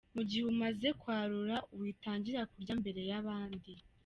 Mu gihe umaze kwarura, witangira kurya mbere y’abandi.